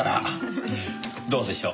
どうでしょう？